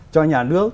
cho nhà nước